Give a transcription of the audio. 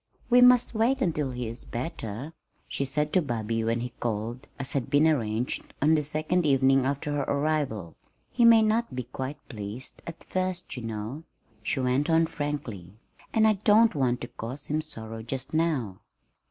"We must wait until he is better," she said to Bobby when he called, as had been arranged, on the second evening after her arrival. "He may not be quite pleased at first, you know," she went on frankly; "and I don't want to cause him sorrow just now."